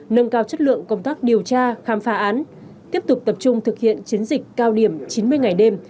nâng cao chất lượng công tác điều tra khám phá án tiếp tục tập trung thực hiện chiến dịch cao điểm chín mươi ngày đêm